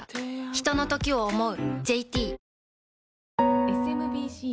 ひとのときを、想う。